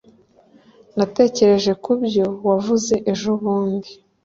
natekereje kubyo wavuze ejobundi